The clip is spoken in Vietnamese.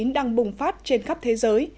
đang bùng phát trên khắp thế giới